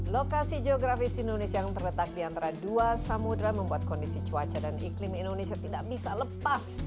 lokasi geografis indonesia yang terletak di antara dua samudera membuat kondisi cuaca dan iklim indonesia tidak bisa lepas